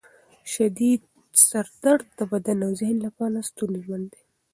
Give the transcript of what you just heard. شدید سر درد د بدن او ذهن لپاره ستونزمن دی.